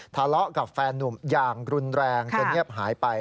ทะเลาะกับแฟนนุ่มอย่างรุนแรงจนเงียบหายไป